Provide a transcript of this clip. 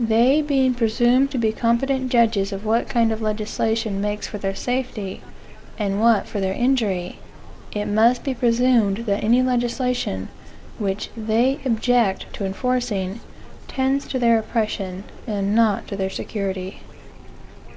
They being presumed to be competent judges of what kind of legislation makes for their safety, and what for their injury, it must be presumed that any legislation, which they object to enforcing, tends to their oppression, and not to their security.